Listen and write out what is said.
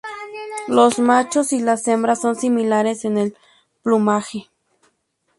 Los machos y las hembras son similares en el plumaje.